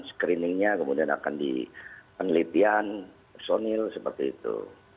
screeningnya kemudian akan di penelitian personil seperti itu